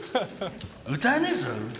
歌わねえぞ！